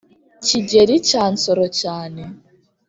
kigeli cya nsoro cyane